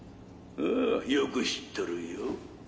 ああよく知っとるよ。